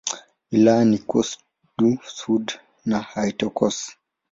Wilaya ni Corse-du-Sud na Haute-Corse.